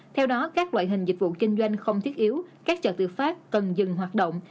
theo đó các loại hình dịch vụ kinh doanh không thiết yếu các chợ tự phát cần dừng hoạt động